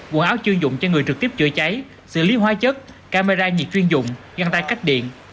quần áo chuyên dụng cho người trực tiếp chữa cháy xử lý hóa chất camera nhiệt chuyên dụng găng tay cách điện